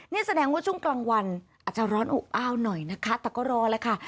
นี่แสดงว่าช่วงกลางวันอาจจะร้อนอบอ้าวหน่อยนะคะแต่ก็รอแล้วค่ะ